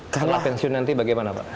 karena pensiun nanti bagaimana pak